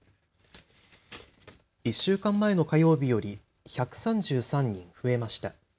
１週間前の火曜日より１３３人増えました。